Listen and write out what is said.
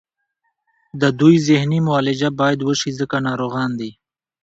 د دوی ذهني معالجه باید وشي ځکه ناروغان دي